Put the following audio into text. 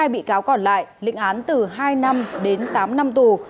hai mươi hai bị cáo còn lại lĩnh án từ hai năm đến tám năm tù